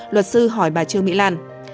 luật sư hỏi bà trương mỹ lan